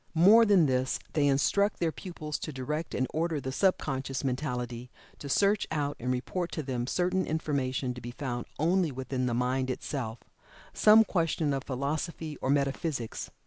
More than this, they instruct their pupils to direct and order the sub conscious mentality to search out and report to them certain information to be found only within the mind itself some question of philosophy or metaphysics.